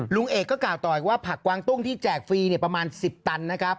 ลุงเอกก็กล่าวต่ออีกว่าผักกวางตุ้งที่แจกฟรีประมาณ๑๐ตันนะครับ